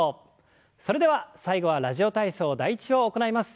それでは最後は「ラジオ体操第１」を行います。